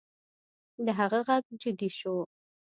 د هغه غږ جدي شو